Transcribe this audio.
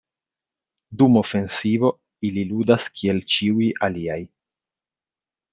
Dum ofensivo ili ludas kiel ĉiuj aliaj.